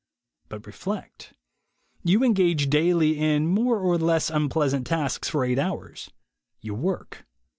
But reflect. You engage daily in more or less unpleasant tasks for eight hours; you work.